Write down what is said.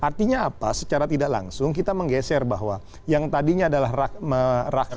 artinya apa secara tidak langsung kita menggeser bahwa yang tadinya adalah rakyat